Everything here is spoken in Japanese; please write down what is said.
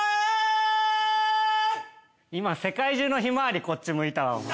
今世界中のひまわりこっち向いたわお前。